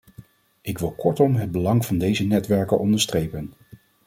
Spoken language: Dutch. Ik wil kortom het belang van deze netwerken onderstrepen.